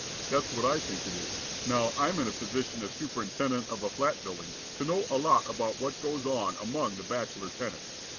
"That's what I think it is. Now I'm in a position as superintendent of a flat building to know a lot about what goes on among the bachelor tenants.